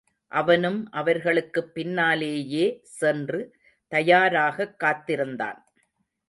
அவனும் அவர்களுக்குப் பின்னாலேயே சென்று தயாராகக் காத்திருந்தான்.